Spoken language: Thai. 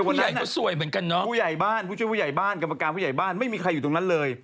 ผู้ใหญ่ก็สวยเหมือนกันเนอะผู้ใหญ่บ้านผู้ช่วยผู้ใหญ่บ้านกรรมการผู้ใหญ่บ้านไม่มีใครอยู่ตรงนั้นเลย